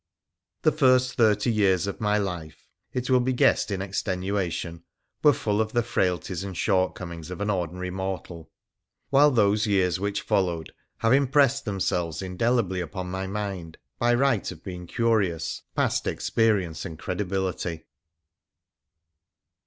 The first thirty years of my life, it will be guessed in extenuation, were full of the frailties and shortcomings of an ordinary mortal ; while PHRA THE PIICENICIAN 3 those years which followed have impressed themselves indelibly upon my mind by right of being curious past experience and credibility.